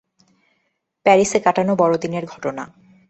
প্যারিসে কাটানো বড়দিনের ঘটনা।